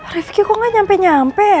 rufki kok gak nyampe nyampe ya